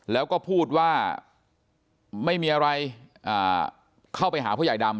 แล้วก็พูดว่าไม่มีอะไรเข้าไปหาพ่อใหญ่ดำ